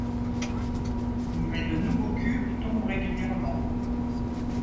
Mais de nouveaux cubes tombent régulièrement.